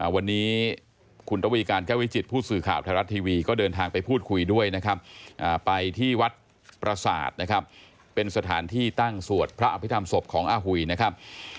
วันนี้คุณระวีการแก้ววิจิตผู้สื่อข่าวไทยรัฐทีวีก็เดินทางไปพูดคุยด้วยนะครับไปที่วัดประสาทนะครับเป็นสถานที่ตั้งสวดพระอภิษฐรรมศพของอาหุยนะครับ